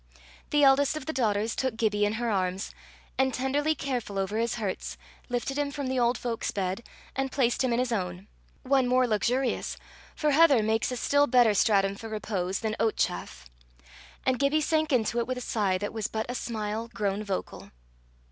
The eldest of the daughters took Gibbie in her arms, and, tenderly careful over his hurts, lifted him from the old folks' bed, and placed him in his own one more luxurious, for heather makes a still better stratum for repose than oat chaff and Gibbie sank into it with a sigh that was but a smile grown vocal.